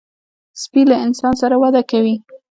سپي له انسان سره وده کوي.